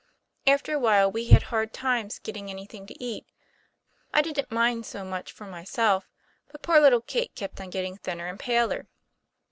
After a while we had hard times getting anything to eat. I didn't mind so much for myself, but poor little Kate kept on getting thinner and paler."